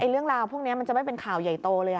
เรื่องราวพวกนี้มันจะไม่เป็นข่าวใหญ่โตเลย